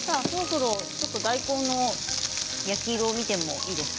大根の焼き色を見てもいいですか。